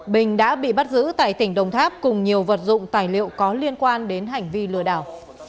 bình đã bị bắt giữ tại tỉnh đồng tháp cùng nhiều vật dụng tài liệu có liên quan đến hành vi lừa đảo